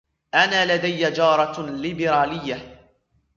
أنا لدي جارة ليبرالية.